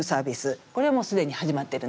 これはもう既に始まってるんです。